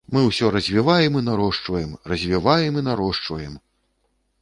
Мы ўсё развіваем і нарошчваем, развіваем і нарошчваем.